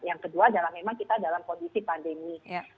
yang kedua adalah memang kita dalam kondisi pandemi